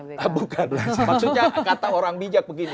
maksudnya kata orang bijak begini